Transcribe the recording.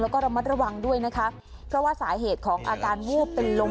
แล้วก็ระมัดระวังด้วยนะคะเพราะว่าสาเหตุของอาการวูบเป็นลม